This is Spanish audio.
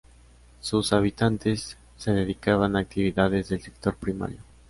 Sus habitantes se dedicaban a actividades del sector primario.